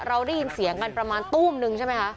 เราได้ยินเสียงกันประมาณตู้มนึงใช่ไหมคะ